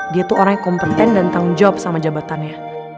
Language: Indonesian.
dia tuh orang yang kompeten dan tanggung jawab sama jabatannya